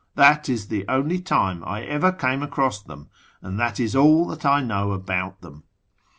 That is the only time I ever came across them, and that is all that I know about them."